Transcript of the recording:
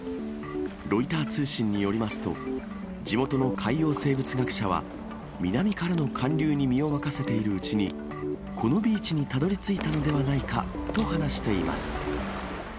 ロイター通信によりますと、地元の海洋生物学者は、南からの寒流に身を任せているうちに、このビーチにたどりついたのではないかと話しています。